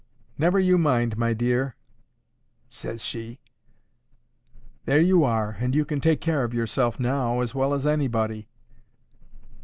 'Never you mind, my dear,' says she; 'there you are, and you can take care of yourself now as well as anybody.